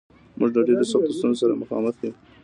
موږ له ډېرو سختو ستونزو سره مخامخ یو